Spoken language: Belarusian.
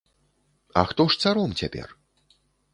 А хто ж царом цяпер?